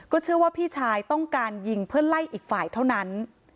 เชื่อว่าพี่ชายต้องการยิงเพื่อไล่อีกฝ่ายเท่านั้น